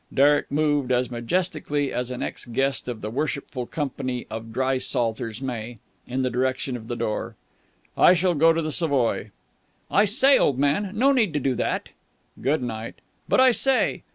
Derek moved, as majestically as an ex guest of the Worshipful Company of Dry Salters may, in the direction of the door. "I shall go to the Savoy." "Oh, I say, old man! No need to do that." "Good night." "But, I say...."